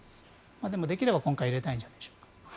でも、できれば今回入れたいんじゃないでしょうか。